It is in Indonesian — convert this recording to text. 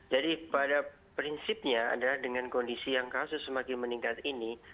jadi pada prinsipnya adalah dengan kondisi yang kasus semakin meningkat ini